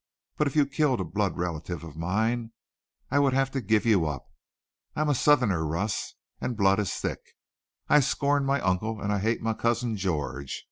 But if you killed a blood relative of mine I would have to give you up. I'm a Southerner, Russ, and blood is thick. I scorn my uncle and I hate my cousin George.